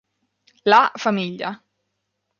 La famiglia